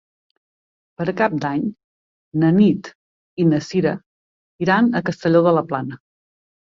Per Cap d'Any na Nit i na Sira iran a Castelló de la Plana.